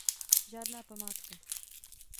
Žádná památka.